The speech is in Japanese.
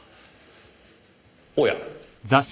おや。